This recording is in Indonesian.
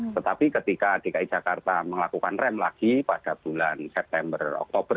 tetapi ketika dki jakarta melakukan rem lagi pada bulan september oktober